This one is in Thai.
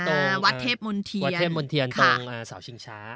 อ่าวัดเทพมนต์เทียนตรงสาวชิงช้า